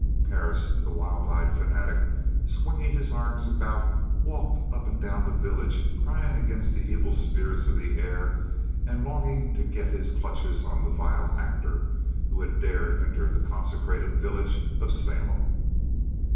Parris, the wild eyed fanatic, swinging his arms about, walked up and down the village, crying against the evil spirits of the air and longing to get his clutches on the vile actor, who had dared enter the consecrated village of Salem.